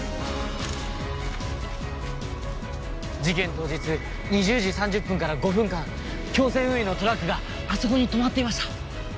事件当日２０時３０分から５分間京泉運輸のトラックがあそこに止まっていました。